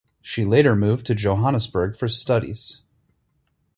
She later moved to Johannesburg for studies.